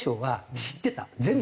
知ってた？